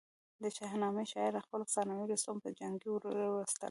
د شاهنامې شاعر خپل افسانوي رستم په جنګ وروستلی.